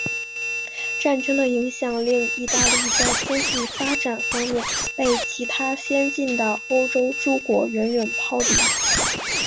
战争的影响令意大利在经济发展方面被其他先进的欧洲诸国远远抛离。